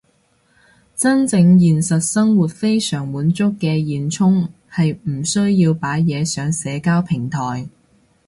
真正現實生活非常滿足嘅現充係唔需要擺嘢上社交平台